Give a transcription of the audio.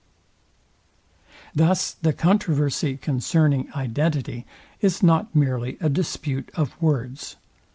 Thus the controversy concerning identity is not merely a dispute of words.